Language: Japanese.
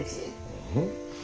うん？